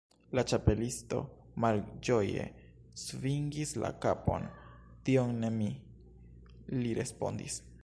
La Ĉapelisto malĝoje svingis la kapon. "Tion ne mi," li respondis.